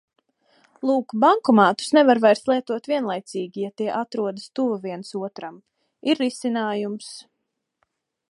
Lūk, bankomātus nevar vairs lietot vienlaicīgi, ja tie atrodas tuvu viens otram. Ir risinājums.